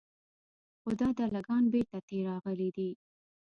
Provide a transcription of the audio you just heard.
خو دا دله ګان بېرته تې راغلي دي.